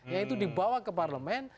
yaitu dibawa ke parlemen